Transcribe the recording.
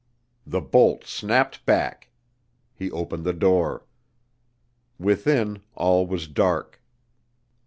The bolt snapped back. He opened the door. Within, all was dark.